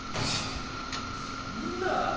そんなぁ！